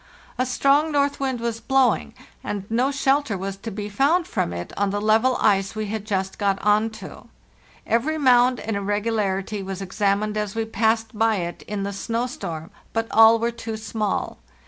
A strong north wind was blowing, and no shelter was to be found from it on the level ice we had just got on to. Every mound and irregularity was examined as we passed by it in the snow storm, but all were too small.